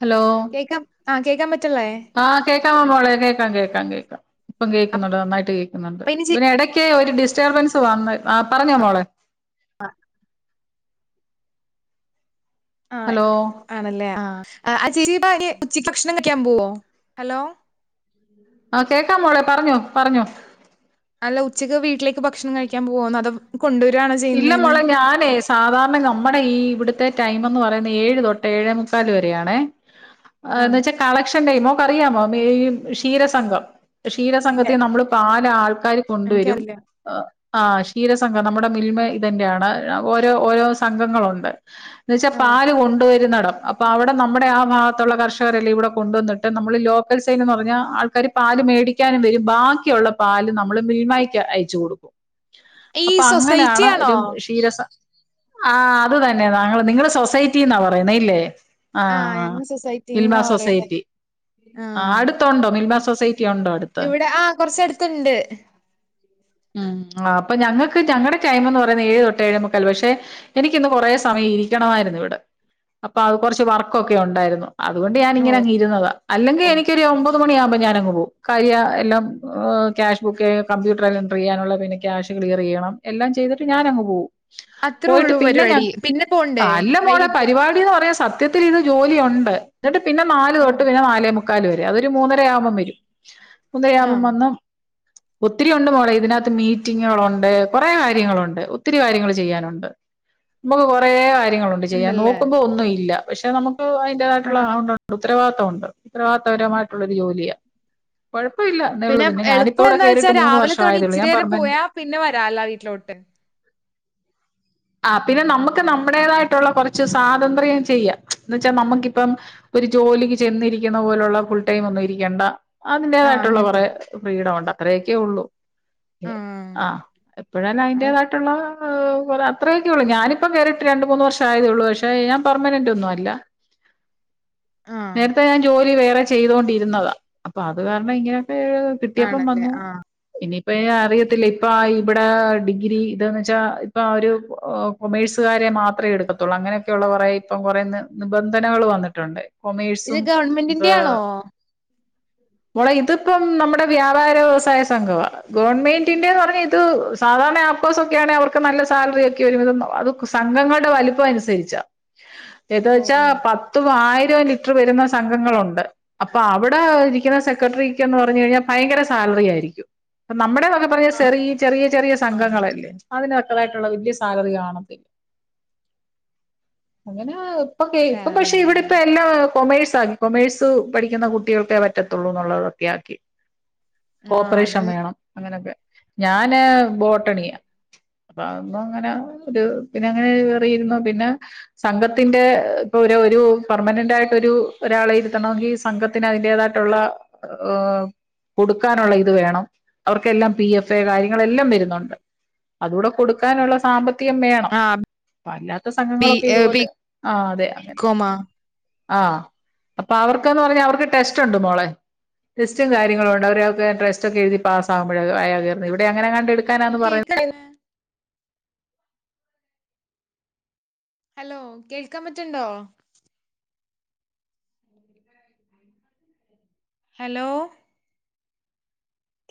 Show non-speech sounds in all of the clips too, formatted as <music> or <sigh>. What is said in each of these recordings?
Hello. കേൾക്കാം. ആഹ് കേൾക്കാൻ പറ്റ്ല്ലേ. ആഹ് കേൾക്കാമ്മോളെ. കേൾക്കാം കേൾക്കാം ഇപ്പൊ കേൾക്കുന്നുണ്ട്. നന്നായിട്ട് കേൾക്കു അപ്പൊ ഇനി ചേ പിന്നെ ഇടയ്ക്ക്‌ ഒരു ഡിസ്റ്റർബൻസ് വന്ന് ആ പറഞ്ഞോ മോളെ ആഹ് ആഹ് ഹലോ ആണല്ലേ ആഹ് <unintelligible> ഉച്ചക്ക്‌ഭക്ഷണം കഴിക്കാൻ പോവോ ഹലോ ആഹ് കേക്കാ മോളെ പറഞ്ഞോ പറഞ്ഞോ അല്ല ഉച്ചയ്ക്ക് വീട്ടിലേക്ക് ഭക്ഷണം കഴിക്കാൻ പോവാണോ അതൊ കൊണ്ടോരാണോ ഇല്ല ചെയ്യുന്നേന്ന് മോളെ ഞാനേ സാധാരണ നമ്മുടെ ഈ ഇവിടുത്തെ ടൈം എന്ന് പറയുന്ന ഏഴ് തൊട്ട് ഏഴേ മുക്കാൽ വരെയാണേ ഏഹ് ആ എന്ന് വെച്ചാ കളക്ഷൻ ടൈ മോക്കറിയാമോ ഈ ക്ഷീര സംഘം ക്ഷീര ഇല്ല സംഘത്തെ നമ്മള് നാല് ആൾക്കാർ കൊണ്ടുവരും എനിക്കറിയില്ല ആഹ് ക്ഷീരസഘം നമ്മുടെ മിൽമ ഇതിന്റെ ആണ് ഓരോ ഓരോ സംഘങ്ങളുണ്ട് എന്ന് വെച്ചാ ആ പാല് കൊണ്ടുവരുന്നടം പ്പവിടെ നമ്മുടെ ആ ഭാഗത്തുള്ള കർഷകരെല്ലാം ഇവിടെ കൊണ്ടുവന്നിട്ട് നമ്മൾ ലോക്കൽ സയിൻ എന്ന് പറഞ്ഞാ ആൾക്കാര് പാല് മേടിക്കാനും വരും ബാക്കിയുള്ള പാല് നമ്മള് മിൽമക്ക് അയച്ചു കൊടുക്കും ഈ അപ്പൊ സോ അങ്ങനെയാണ് ഒരു ക്ഷീരസ ആഹ് അത് തന്നെ താങ്കൾ നിങ്ങള് സൊസൈറ്റിന്നാ പറയുന്നേ ഇല്ലേ ആ ആഹ് ഞങ്ങള് മിൽമ സൊസൈറ്റീന്നാ പറയുന്നേ സൊസൈറ്റി ആ ആഹ് അടുത്തുണ്ടോ മിൽമ സൊസൈ റ്റിയൊണ്ടോ അടു ഇവിടെ ആഹ് കൊറച്ചടുത്തുണ്ട് ഉം ആ അപ്പൊ ഞങ്ങ ക്ക്‌ ഞങ്ങളെ ടൈം എന്ന് പറയുന്ന ഏഴ് തൊട്ടേഏഴ് മുക്കാൽ പക്ഷെ എനിക്കിന്ന് കുറെ സമയം ഇരിക്കണമായിരുന്നു ഇവിടെ അപ്പൊ അത് കുറച്ച് വർക്കൊക്കെ ഉണ്ടായിരുന്നു അതുകൊണ്ട് ഞാന് ഓ ഇങ്ങനെ അങ്ങ് ഇരുന്നത അല്ലെങ്കി ഓ എനിക്കൊരു ഒമ്പത് മണിയാകുമ്പോ ഞാനങ് പോകും കഴിയഎല്ലാം ക്യാഷ് ബുക്ക് കമ്പ്യൂട്ടറിൽ എന്റർ ചെയ്യാനുള്ള പിന്നെ ക്യാഷ് ക്ലിയർ ചെയ്യണം എല്ലാം ചെയ്തിട്ട് ഞാനങ്ങ് പോകും അത്രേ പോയിട്ട് ഉള്ളൂ പിന്നെ ഞാൻ പരിപാടി പിന്നെ പോണ്ടേ അല്ല മോളെ വൈകിട്ട് പരിപാടിന്ന് പറയാൻ സ ത്യത്തില് ഇത് ജോലിയൊണ്ട് എന്നിട്ട് പിന്നെ നാല് ആ തൊട്ട് പിന്നെ നാലേ മുക്കാല് വരെ അതൊരു മൂന്നര ആവുമ്പം വരും ആ ഉദയാവുമ്പം വന്നു ഒത്തിരി ഉണ്ട് മോളെ ഇതിനകത്ത് മീറ്റിങ്ങുകളുണ്ട് കുറെ കാര്യങ്ങളുണ്ട് ഒത്തിരി കാര്യങ്ങൾ ചെയ്യാനുണ്ട് നമുക്ക് കുറെ കാര്യങ്ങളു ണ്ട് ചെയ്യാൻ ഉണ്ടല്ലേ നോക്കുമ്പോ ഒന്നും ഇല്ല പക്ഷെ നമുക്ക് അതിന്റതായിട്ടുള്ള ആ ഉണ്ട് ഉത്തരവാദിത്തം ഉണ്ട് ഉത്തരവാദിത്തവരമായിട്ടുള്ളരു ജോലിയാ കുഴപ്പവില്ലന്നേ ഉള്ളൂ പിന്നെ പിന്നെഞാനിപ്പ എളുപ്പം എന്താ വെച്ചാ ഇവിടെയറിട്ട് മൂന്ന് രാവിലെ വർഷം തുടങ്ങി ആയതെള്ളൂ ഇച്ചിരി ഞാൻ നേരം പെർമെന്റ് പോയാ പിന്നെ വരാല്ല വീട്ടിലോട്ട് ആഹ് പിന്നെ നമുക്ക് നമ്മുടേതായിട്ടുള്ള കുറച്ച് സ്വാതന്ത്ര്യം ചെയ്യാം എന്ന് വെച്ചാ നമുക്കിപ്പം ഒരു ജോലിക്ക് ചെന്നിരിക്കുന്ന പോലുള്ള ഫുൾ ടൈം ഒന്നും ഇരിക്കണ്ട ആഹ് അതിന്റേതായിട്ടുള്ള അങ്ങനത്തെ. കുറെ ഫ്രീഡം ഉണ്ട് അത്രയൊക്കെ ഉള്ളൂ ആഹ് എപ്പഴാലും അത് അതിന്റേതായിട്ടുള്ളേ <unintelligible> അത്രയൊക്കെ ഉള്ളൂ ഞാനിപ്പം കേറിയിട്ട് രണ്ട് മൂന്ന് വർഷം ആയതെ ഉള്ളൂ പക്ഷെ ഞാൻ പർമനന്റ് ഒന്നും അല്ല ആഹ് നേരത്തെ ഞാൻ ജോലി വേറെ ചെയ്തോണ്ടിരുന്നതാ അപ്പൊ അത് കാരണം ഇങ്ങനെയൊക്കെ കിട്ടിയപ്പം ആണല്ലേ വന്നു ആഹ്. ഇനിയിപ്പ അറിയത്തില്ല ഇപ്പായി ഇവിടെ ഡിഗ്രി ഇതന്ന് വെച്ചാ ഇപ്പൊ ആ ഒരു കൊമേഴ്സുകാരെ മാത്രേ എടുക്കത്തുള്ളൂ അങ്ങനെ ക്കെയുള്ളകൊറേ ഇപ്പം കൊറെ നിബന്ധനകൾ വന്നിട്ടുണ്ട് ഇത് കൊമേഴ്സും ഗവൺമെന്റിന്റെ ആണോ? ഏഹ് മോളെ ഇതിപ്പം നമ്മുടെ വ്യാപാര വ്യവസായ സംഘവാ ഗവൺമെന്റിന്റെന്ന് പറഞ്ഞ ത് സാധാരണ ആപ്കോഴ്സ ഒക്കെയാണെ അവർക്ക് നല്ല സാലറിയൊക്കെ വരും അത് സംഘങ്ങളുടെ വലിപ്പം അനുസരിച്ചാ ഏത് ഓഹ് വെച്ചാ ഓഹ് പത്തും ആയിരവും ലിറ്റർ വരുന്ന സംഘങ്ങളുണ്ട് അപ്പൊ അവിടെ ഇരിക്കുന്ന സെക്രട്ടറിക്ക്ന്ന് പറഞ്ഞു കഴിഞ്ഞാൽ ഭയങ്കര സാലറി ആയിരിക്കും അ നമ്മടേതൊക്കെ പറ ചെറിയ ചെറിയ ചെറിയ സംഘങ്ങളല്ലേ അതിനൊക്കതായിട്ടുള്ള വലിയ സാലറി കാണത്തില്ല അങ്ങനെ ഇപ്പൊ ഇപ്പ സാലറി പക്ഷെ ഉണ്ടാവില്ല. ഇവിടെ ഇപ്പ എല്ലാം കൊമേഴ്സ് ആകി കൊമേഴ്സ് പഠിക്കുന്ന കുട്ടികൾക്കേ പറ്റത്തുള്ളൂ എന്നുള്ളതൊക്കെ ആക്കി ആഹ് ഓപ്പറേഷൻ അത് വേണം അങ്ങനെയൊക്കെ ഞാന് ബോട്ടണിയ അപ്പ അന്നും അങ്ങനെ ഒരു പിന്നെ അങ്ങനെ കേറിയിരുന്നോ പിന്നെ സംഘത്തിന്റെ ഇപ്പൊ ഒരു ഒരു പെർമനന്റ് ആായിട്ട ഒരു ഒരാളെ ഇരുത്തണമെങ്കിൽ സംഘ ത്തിന് അതിന്റേതായിട്ടുള്ള കൊടുക്കാനുള്ള ഇത് വേണം അവർക്കെല്ലാം പി എഫ് കാര്യങ്ങള എല്ലാം വരുന്നുണ്ട് അതുകൂടെ കൊടുക്കാനുള്ള സാമ്പത്തിക കൃം വേണം ആഹ് അപ്പ അല്ലാത്ത ബി സംഘങ്ങളൊക്കെ ഏഹ് ഇതുപോലെ ആ അതെ അങ്ങനെ ബികോമാ? ആ അപ്പൊ അവർക്കന്ന് പറഞ്ഞാ അവർക്ക് ടെസ്റ്റ് ഉണ്ട് മോളെ ടെസ്റ്റും കാര്ങ്ങളും ഉണ്ട് അവരൊ ടെസ്റ്റ ഒക്കെ എഴുതി പാസകുമ്പോഴ ആ ഇവിടെ അങ്ങനെങ്ങ കണ്ട എടുക്കാനാന്ന് പറയുന്നത് <inaudible> ഹലോ കേൾക്കാൻ പറ്റണ്ടോ ഹലോ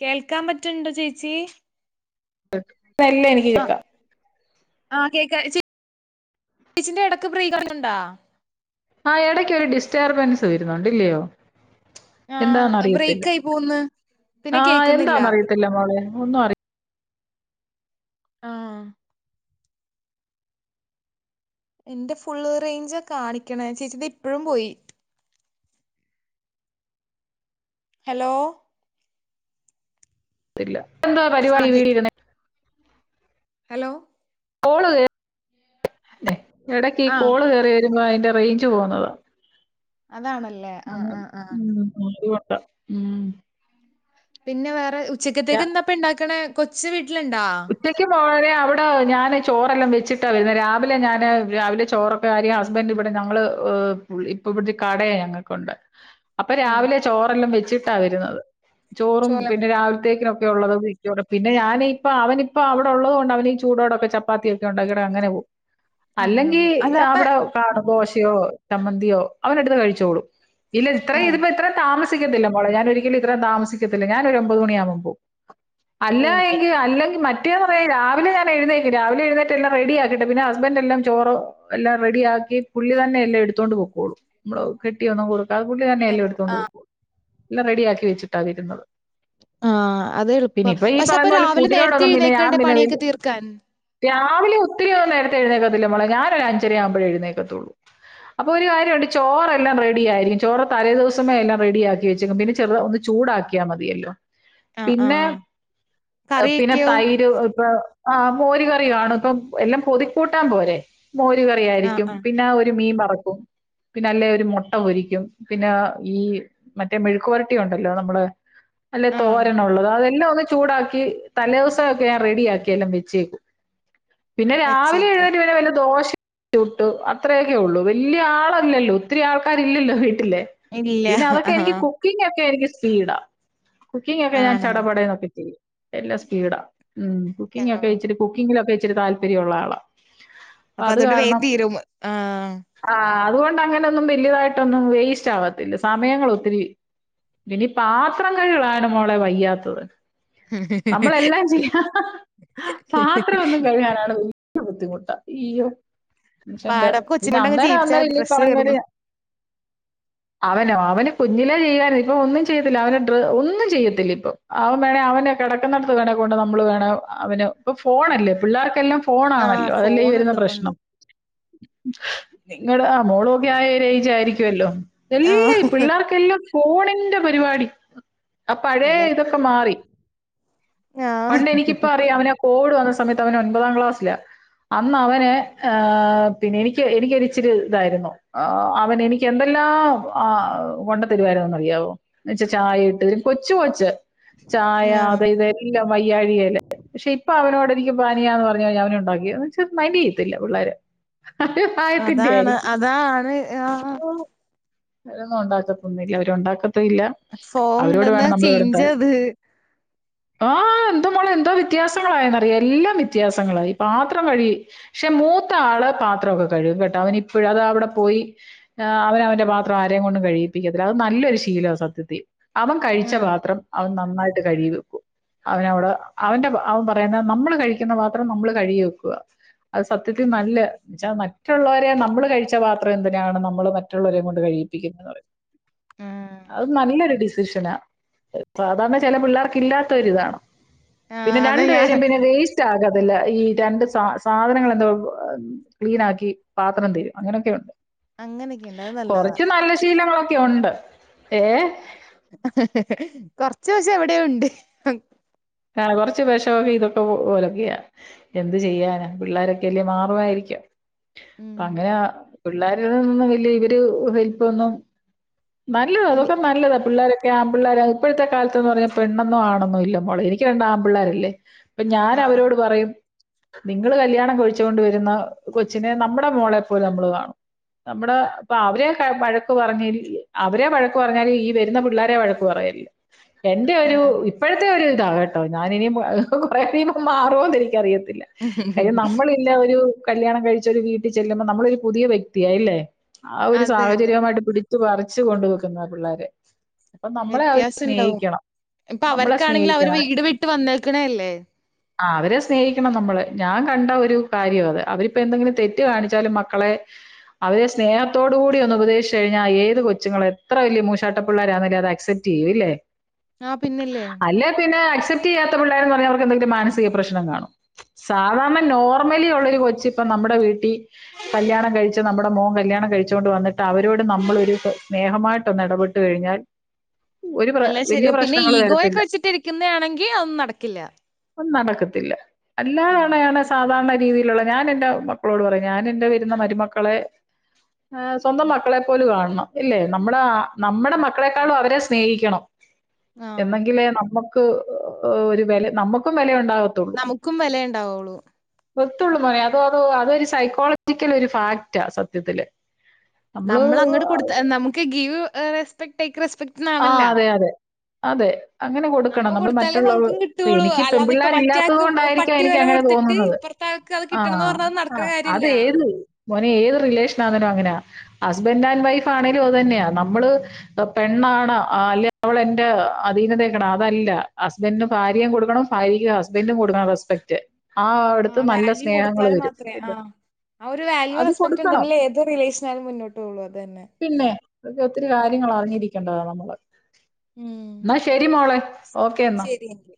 കേൾക്കാൻ പറ്റണ്ടോ ചേച്ചി നെല്ല <unintelligible> ആ ആ കേക്ക ചീച്ചിന്റെ ഇടക്ക് പ്രീ കഞ്ഞുണ്ടോ ആ ഇടയ്ക്ക് ഒരു ഡിസ്റ്റർബൻസ് വരുന്നുണ്ട്ല്ലയോ എന്താന്ന ആഹ് അറിയത്തില്ല ബ്രേക്ക് ആയി പോവുന്ന്. പിന്നെ ആഹ കേക്കുന്നില്ല. എന്താന്നറിയത്തില്ല മോളെ ഒന്ന അറ ആഹ എൻ്റെ ഫുള് റേഞ്ച് കാണിക്കണ ചേച്ചിത് ഇപ്പോഴും പോയി ഹലോ എന്താ ആ പരിപാടി വീടി കേക്കാം ഹലോ കോള് ഇടക്ക് ആ കോള് കേറി വരുമ്പോ അതിന്റെ റേഞ്ച് പോതാ അതാണല്ലേ ആ അ ആ ആ അതുകൊണ്ട ഉ പിന്നെ വേറെ ഞാ ഉച്ചക്കത്തേക്ക് എന്താപ്പ ഇണ്ടാക്കണ കൊച്ച് വീട്ടിലുണ്ടാ ഉച്ചക്കും <unintelligible> അവിടെ ഞാൻ ചോറെല്ലാം വെച്ചിട്ടാണ് വരുന്നത് രാവിലെ ഞാന് രാവിലെ ചോറൊെ അപ്പ ആര്യ ഹസ്ബൻഡ് ഇവിടെ ഞങ്ങള്ൾ ഇപ്പ ഇവിടെത്തെ കടയ ഞങ്ങൾക്കുണ്ട് അപ്പൊ ആ രാവിലെ ചോറെല്ലാം വെച്ചിട്ടാ വരുന്നത് ചോറും ചോല പിന്നെ മതി രാവിലത്തേക്ക ഉള്ളത് പിന്നെ ഞാൻ ഇപ്പ അവനിപ്പോ അവിടെ ഉള്ളതുകൊണ്ട് അവന് ചൂടോടൊക്കെ ചപ്പാത്തി ഒക്കെ ഉണ്ടാക്കിയിട്ട് അങ്ങനെ പോവും. ആ, അങ്ങനെ അല്ലെങ്കി പോകും അല്ല അപ്പ അവിടെ കാണും. ദോശയോ ചമ്മന്തിയോ അവന് എടുത്ത് കഴിച്ചോളും. ഇല്ല ഇത്രേ ആ ഇതിപ്പ ഇത്ര താമ സിക്കത്തില്ല മോളേ. ഞാൻ ഒരിക്കലും ഇത്രയും താമസിക്കത്തില്ല. ഞാൻ ഒരു ഒമ്പത് മണിയാകുമ്പോൾ പോകും. അല്ലാ എ അല്ലെങ്കി മറ്റേന്ന് പറഞ്ഞാ രാവിലെ ഞാൻ എഴുന്നേൽക്കും. രാവിലെ എഴുന്നേറ്റെല്ലാം റെഡിയാക്കിട്ടെന്നെ ഹസ്ബൻ്റ് എല്ലാം ചോറു എല്ലാം റെഡിയാക്കി പുള്ളി തന്നെ എല്ലാം എടുത്തോണ്ട് പൊക്കോളും. നമ്മള് കെട്ടിയൊന്നും കൊടു അത് പുള്ളി തന്നെ എല്ലാം പുള്ളിയുണ്ടാവും എടുത്തോണ്ട് ആ പൊക്കോളും. എല്ലാം റെഡിയാക്കി വെച്ചിട്ടാ അത് ഇരുന്നത്. ആഹ് അതെ എളുപ്പാ. പക്ഷെ അപ്പൊ രാവിലെ നേരത്തെ ഫുഡിനോടൊന്നും പിന്നെ ഞാൻ എഴുന്നേൽക്കണ്ടേ പിന്നെ പണിയൊക്കെ വലിയ തീർക്കാൻ. രാവിലെ ഒത്തിരിയൊന്നും നേരത്തെ എഴുന്നേക്കത്തില്ല മോളെ. ഞാനൊരു അഞ്ചര ആവുമ്പഴേ എഴുന്നേൽക്കത്തുള്ളൂ. അപ്പൊ ഒരു കാര്യമുണ്ട്. ചോറ് എല്ലാം റെഡി ആയിരിക്കും. ചോറ് തലേ ദിവസമേ എല്ലാം റെഡിയാക്കി വച്ചേക്കും. പിന്നെ ചെറുതാ ഒന്നു ചൂടാക്കിയാൽ മതിയല്ലോ. ആ ആ പിന്നെ പിന്നെ കറിയൊക്കെയോ തൈര് ഇപ്പ ആഹ് മോര് കറി കാണും. ഇപ്പൊ എല്ലാം പൊതിക്കൂട്ടാൻ പോലെ. മോര് ആ കറിയായിരിക്കും. ആ പിന്നാ ഒരു മീൻ വറക്കും. പിന്നല്ലേ ഒരു മൊട്ട പൊരിക്കും. പിന്നെ ഈ മറ്റേ മെഴുക്കുവരട്ടി ഒണ്ടല്ലോ നമ്മള് അല്ലെ ആ തോരനൊള്ളത്. അതെല്ലാം ഒന്ന് ചൂടാ ക്കി തലേവസക്കെ ഞാൻ റെഡിയാക്കിയെല്ലാം വെച്ചേക്കും. പിന്നെ രാവിലെ വച്ചേക്കും എഴുന്നേറ്റ്വര് വെല്ല ദോശ ചുട്ടു. അത്രയൊക്കെ ഉള്ളൂ. വല്യ ആളല്ലല്ലോ ഒത്തിരി ആൾക്കാരില്ലല്ലോ വീട്ടില്. ഇല്ല പിന്നെതക്കെ ആ എനിക്ക് കുക്കിംഗൊക്കെ എനിക്ക് സ്പീഡാ. കുക്കിംഗ് ഒക്കെ ഞാൻ ആണല്ലേ ചടപടേന്നൊക്കെ ചെയ്യും. എല്ലാ സ്പീഡാ. ഉം ആ കുക്കിംഗ് ഒക്കെ ഇച്ചിരി കുക്കിംഗിലൊക്കെ ഇച്ചിരി താല്പര്യൊള്ള ആളാ. അപ്പൊ അത് അതോണ്ട് വേം കാരണം തീരും. ആഹ് ആഹ് അതുകൊണ്ട് അങ്ങനൊന്നും വല്യതായിട്ടൊന്നും വേസ്റ്റാവത്തില്ല. സമയങ്ങളൊത്തിരി പിന്നീ പാത്രം കഴുകലാണ് മോളെ വയ്യാത്തത്. നമ്മളെല്ലാം ചെയ്യാ. പാത്രം ഒന്നു കഴുകാനാണ് ബുദ്ധിമുട്ടാ ഈയ്യോ. മനുഷ്യന്റെ പാടം കൊച്ചിനെ പിന്നെ കൊണ്ടങ്ങ് അന്നേരം ജയിപ്പിച്ചാ അന്നേരം മതി ഇല്ലീ പ്രശ്നം പറഞ്ഞോല് തീർന്നു. അവനോ അവന് കുഞ്ഞിലേ ചെയ്യു വായിരുന്നു. ഇപ്പൊ ഒന്നും ചെയ്യത്തില്ല. അവന് ഡ്ര ഒന്നും ചെയ്യത്തില്ല ഇപ്പൊ അവൻ വേണെ അവ കെടക്കുന്നെടുത്ത് തന്നെ കൊണ്ട് നമ്മള് വേണെ അവന് ഇപ്പ ഫോണല്ലേ പിള്ളേർക്കെല്ലാം ആഹ് ഫോണാണല്ലോ. അതല്ലേ ഈ വരുന്ന ഫോണുള്ളത് കൊണ്ട് പ്രശ്നം. നിങ്ങള് ആഹ് മോളുവൊക്കെ ആ ഒരു ഏജായിരിക്കുവല്ലോ. എല്ലാം ഈ ആഹ് പിള്ളേർക്കെല്ലാം ഫോണിന്റെ പരിപാടി. ആഹ് പഴയ എല്ലാർക്കും ഇതൊക്കെ അത് മാറി. ആഹ് പണ്ട് എനിക്കിപ്പ അറിയാം അവനാ കോവിഡ് വന്ന സമയത്ത് അവന് ഒൻപതാം ക്ലാസ്സിലാ. അന്നവന് ആഹ് പിന്നെ എനിക്ക് എനക്കൊരിച്ചിരി ഇതായിരുന്നു. ആഹ് അവനെനിക്ക് എന്തെല്ലാം ആഹ് കൊണ്ടത്തരുവാരുന്നെന്നറിയാവോ. വച്ച് ചായ ഇട്ടു തരും. കൊച്ചു കൊച്ച്. ചായ ആഹ് അത് ഇത് എല്ലാം വയ്യാഴികേല്. പക്ഷെ ഇപ്പൊ അവനോട് എനിക്ക് പാനിയാന്ന് പറഞ്ഞാ കഴിഞ്ഞ അവൻ ഒണ്ടാക്കിയെ ച്ച മൈൻ്റ് ചെയ്യത്തില്ല പിള്ളേര്. അത് പ്രായത്തിൻ്റെ അതാണ് ആയിരിക്കും. അതാണ് ആഹ് അവരൊന്നും ഒണ്ടാക്കത്തൊന്നുല്ല. അവരൊണ്ടാക്കത്തുല്ല ഫോൺ കൊണ്ടുവന്നാ ചേയ്ഞ്ചാ അത്. ആഹ് എന്തോ മോളെ എന്തോ വ്യത്യാസങ്ങളായെന്നറിയാം. എല്ലാം വ്യത്യാസങ്ങളായി. പാത്രം കഴുകി പക്ഷെ മൂത്താള് പാത്രം ഒക്കെ കഴുകും കേട്ടോ. അവനിപ്പോഴും അത് അവിടെ പോയി അവന് അവന്റെ പാത്രം ആരെയും കൊണ്ടും കഴിയിപ്പിക്കത്തില്ല. അത് നല്ലൊരു ശീലാ സത്യത്തി. അവൻ കഴിച്ച ഉം പാത്രം അവൻ നന്നായിട്ട് കഴുകി വെക്കും. അവനവിടെ അവന്റെ പാ അവൻ പറയുന്നെ നമ്മള് കഴിക്കുന്ന പാത്രം നമ്മള് കഴുകി വെക്കുക. അത് സത്യത്തി നല്ല ച്ചാ മറ്റുള്ളവരെ നമ്മള് കഴിച്ച പാത്രം എന്തിനാണ് നമ്മള് മറ്റുള്ളവരെക്കൊണ്ട് കഴുകിപ്പിക്കുന്നേന്ന് പറയും. ഉം അത് നല്ലൊരു ഡിസിഷനാ. സാധാരണ ചെല പിള്ളേർക്ക് ഇല്ലാത്ത ഒരിതാണ്. പിന്നെ ആഹ് അതാ രണ്ടു ഞാൻ പേരും പിന്നെ വേസ് റ്റാകത്തില്ല ഈ രണ്ട് സാ സാധനങ്ങൾ എന്താ ക്ലീനാക്കി പാത്രം തരും അങ്ങനൊക്കെ ഉണ്ട്. അങ്ങനെയൊക്കെയുണ്ട് അത് നല്ലതാ കൊറച്ച് നല്ല ശീലങ്ങളൊക്കെ ഒണ്ട് ഏഹ്. കൊറച്ച് വെശം എവിടയോ ണ്ട്. കാള കുറച്ച് വെഷൊക്കെ ഇതൊക്കെ പോലൊക്കെയ. എന്ത് ചെയ്യാനാ പിള്ളേരൊക്കെയല്ലേ മാറുവായിരിക്കാം. ഉം പ്പങ്ങന പിള്ളേരന്നും വലിയ ഇവര് വലിപ്പൊന്നും നല്ലതാ അതെ അതൊക്കെ നല്ലതാ പിള്ളോരൊക്കെ ആൺ പിള്ളാര ഇപ്പഴത്തെ കാലത്തന്ന് പറഞ്ഞ പെണ്ണെന്നോ ആണെന്നോ ഇല്ല മോള എനി എനിക്ക് രണ്ട് ആൺ പിള്ളേരല്ലേ അപ്പോ ഞാൻ ആഹ് അവരോട് പറയും നിങ്ങള് കല്യാണം കഴിച്ചു കൊണ്ട് വരുന്ന കൊച്ചിനെ നമ്മുടെ മോളെ പ്പോലെ നമ്മള് കാണും നമ്മുടെ ഇപ്പ അവരെ വഴക്ക് പറഞ്ഞേല് അവരെ വഴക്ക് പറഞ്ഞാല് ഈ വരുന്ന പിള്ളേരെ വഴക്ക് ക്ക് പറയല്ല് എന്റെ ഒരു ആഹ് ഇപ്പോഴത്തെ ഒരു ഇതാ കേട്ടോ ട്ടൊ ഞാന് ഇനിയും വഴക്ക് <unintelligible> മാറോന്ന് എനിക്കറിയത്തില്ല കാര്യം നമ്മൾ ല്ല ഒരു കല്യാണം കഴിച്ച് ഒരു വീട്ടിൽ ചെല്ലുമ്പോ നമ്മളൊരു പുതിയ വ്യക്തിയായി അല്ലേ ആ ഒരു അതെ അതെ സാഹചര്യമായിട്ട് പിടിച്ചു പറിച്ചു കൊണ്ട് വെക്കുന്ന ആ പിള്ളാരെ വ്യത്യാസണ്ടാവും ഇപ്പോ നമ്മളെ അവർക്കാണെങ്കിൽ സ്നേഹിക്കണം അവര് വീട് വിട്ട് വന്നേക്കണ അല്ലേ ആ അവരെ സ്നേഹിക്കണം നമ്മള് ഞാൻ കണ്ട ഒരു കാര്യം അത് അവരിപ്പോ എന്തെങ്കിലും തെറ്റ് കാണിച്ചാലും മക്കളെ അവരെ സ്നേഹത്തോടു കൂടി ഒന്ന് ഉപദേശിച്ച് കഴിഞ്ഞാൽ ഏത് കൊച്ചുങ്ങളും എത്ര വലിയ മൂഷാട്ടപ്പിള്ളാരാണെങ്കിലും അത് അക്സെപ്റ്റ് റ്റ് ചെയ്യും ഇല്ലെ ആഹ് പിന്നല്ലേ അല്ലേ പിന്നെ അക്സപ്റ്റ് ചെയ്യാത്ത പിള്ളര് എന്ന് പറഞ്ഞാ അവർക്ക് എന്തെങ്കിലും മാനസിക പ്രശ്നം കാണും സാധാരണ നോർമലി ഉള്ളൊരു കൊച്ച് ഇപ്പോ നമ്മുടെ വീട്ടിൽ കല്യാണം കഴിച്ച് നമ്മുടെ മോൻ കല്യാണം കഴിച്ചോണ്ട് വന്നിട്ട് അവരോട് നമ്മളൊരു സ്നേഹമായിട്ടൊന്ന് ഇടപെ ട്ട് കഴിഞ്ഞാൽ ഒരു പ്ര വില്യ പ്രശ്നങ്ങൾ വരത്തില്ല ക്കുന്ന ആണെങ്കി അതൊന്നും നടക്കില്ല ന്നും നടക്കത്തില്ല അല്ല ആഹ് അങ്ങനെ സാധാരണ രീതിയിലുള്ള ഞാന് എന്റെ മക്കളോട് പറയും ഞാൻ എന്റെ വരുന്ന മരുമക്കളെ ആ സ്വന്തം മക്കളെപ്പോലും കാണണം ഇല്ലേ നമ്മളെ നമ്മടെ മക്കളെക്കാളും അവരെ സ്നേഹിക്കണം ആഹ്. എന്നെങ്കിലേ നമ്മുക്ക് ഒരു വില നമ്മുക്കും വിലയുണ്ടാവ നമുക്കും വിലയുണ്ടാവുള്ളൂ ത്തുള്ളു മോനെ അതോ അതോ അതൊരു സൈക്കോളജിക്കൽ ഒരു ഫാക്റ്റാ സത്യത്തില് നമ്മള് നമ്മളങ്ങട്ട് കൊടുത്ത നമുക്ക് ഗീവ് റെസ്പെക്ട് ടേക്ക് റെസ്പെക്ട് ആഹ് ന്നാണല്ലോ. അതെ അതെ അതെ അങ്ങനെ കൊടുക്കണം നമ്മ നമ്മള് കൊടുത്താലേ മറ്റുള്ളവ നമുക്കും കിട്ടുള്ളൂ. എനിക്ക് പെൺ അല്ലാതെ ഇപ്പ മറ്റേ പിള്ളേരില്ലാത്തത് ആൾക്ക് കൊണ്ടായിരി ക്കാം പട്ടി വെല എനിക്കങ്ങനെ കൊടുത്തിട്ട് തോന്നുന്നത് ഇപ്പറത്തെ ആൾക്ക് അത് ആ കിട്ടണംന്ന് പറഞ്ഞാ അത് ആ നടക്കണ അത് കാര്യല്ല. ഏത് മോനെ ഏത് റിലേഷൻ ആണേലും അങ്ങനെയാ ഹസ്ബൻന്റ് ആൻഡ് വൈഫ് ആണേലും അത് തന്നെയാ നമ്മള് പെൺ പെണ്ണാണോ അല്ലേ അവൾ എന്റെ അധീനതേക്കണം അതല്ല ഹസ്ബന്റും ഭാര്യേം കൊടുക്കണം ഭാര്യക്ക് ഹസ്ബന്റ് ഹസ്ബന്റും കൊടുക്കണം റെസ്പെക്ട് ആഹ് അതെ വാല്യൂ കൊടുത്താൽ മാത്രേ ഇല്ല. ആഹ് ആ ഒരു വല്യൂ അത് റെസ്പെക്റ്റ് കൊടുക്കണം. ഉണ്ടെങ്കിലെ ഏത് റിലേഷൻ ആയാലും മുന്നോട്ട് പോവുള്ളു അതന്നെ പിന്നെ അതൊക്കെ ഒത്തിരി കാര്യങ്ങൾ അറിഞ്ഞിരിക്കേണ്ടതാണ് നമ്മള് ഉം എന്നാ ശരി മോളെ ഓക്കെ എന്നാ ശരി എങ്കി.